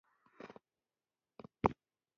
سیلاني ځایونه د افغانستان د اقلیم یوه ځانګړتیا ده.